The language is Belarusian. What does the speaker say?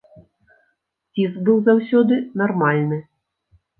Ціск быў заўсёды нармальны.